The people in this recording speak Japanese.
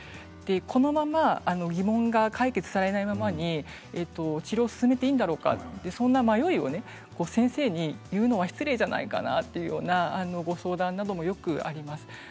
このまま疑問が解決されないままに治療を進めていいんだろうかそんな迷いを先生に言うのは失礼じゃないかというようなご相談などもよくあります。